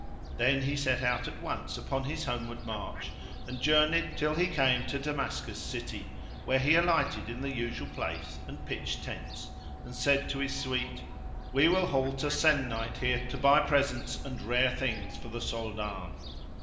Then he set out at once upon his homeward march and journeyed till he came to Damascus city where he alighted in the usual place and pitched tents, and said to his suite, "We will halt a se'nnight here to buy presents and rare things for the Soldan."